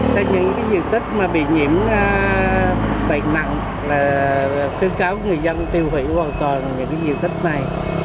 cho những diện tích bị nhiễm bệnh nặng là khuyến cáo người dân tiêu hủy hoàn toàn những diện tích này